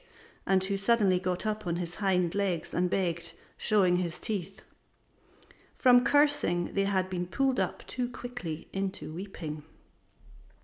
and who suddenly got upon his hind legs and begged, showing his teeth. From cursing they had been pulled up too quickly into weeping.